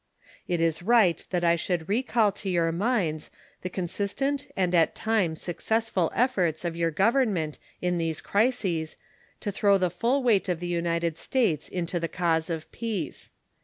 It is right that I should recall to your minds the consistent and at time successful efforts of your government in these crises to throw the full weight of the United States into the cause of peace.